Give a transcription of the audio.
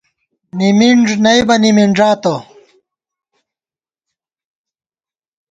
نمنݮ نئیبہ نِمنݮاتہ